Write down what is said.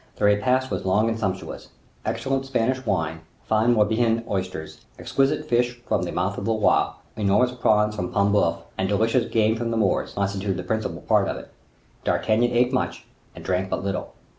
The repast was long and sumptuous; excellent Spanish wine, fine Morbihan oysters, exquisite fish from the mouth of the Loire, enormous prawns from Paimboeuf, and delicious game from the moors, constituted the principal part of it. D'Artagnan ate much, and drank but little.